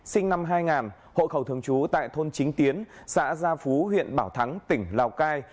sinh năm hai nghìn hộ khẩu thường trú tại thôn chính tiến xã gia phú huyện bảo thắng tỉnh lào cai